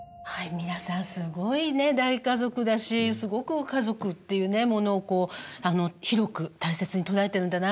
皆さんすごい大家族だしすごく家族っていうものをこう広く大切に捉えてるんだなっていうのが感じられました。